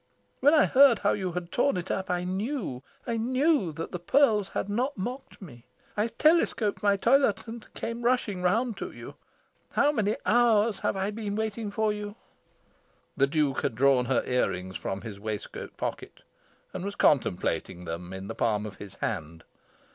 When I heard how you had torn it up, I knew, I knew that the pearls had not mocked me. I telescoped my toilet and came rushing round to you. How many hours have I been waiting for you?" The Duke had drawn her ear rings from his waistcoat pocket, and was contemplating them in the palm of his hand.